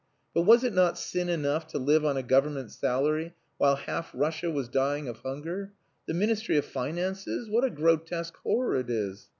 But was it not sin enough to live on a Government salary while half Russia was dying of hunger? The Ministry of Finances! What a grotesque horror it is!